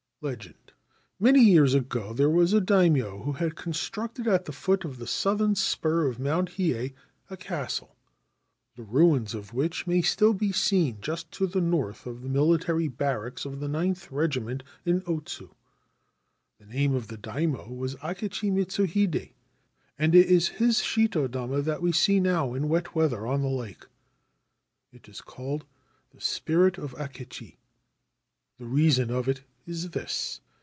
LEGEND ' Many years ago there was a Daimio who had con structed at the foot of the southern spur of Mount Hiyei a castle, the ruins of which may still be seen just to the north of the military barracks of the Ninth Regiment in Otsu. The name of the Daimio was Akechi Mitsuhide, and it is his shito dama that we see now in wet weather on the lake. It is called the spirit of Akechi. 'The reason of it is this.